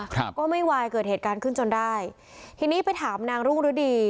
ก็ไม่วายเกิดเหตุการณ์ขึ้นจนได้ทีนี้ไปถามนางรุ่งฤดี